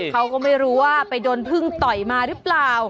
เขาก็ไม่รู้ว่าไปโดนพึ่งต่อยมาหรือเปล่า